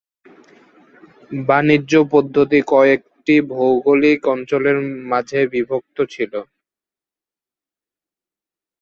বাণিজ্য পদ্ধতি কয়েকটি ভৌগোলিক অঞ্চলের মাঝে বিভক্ত ছিল।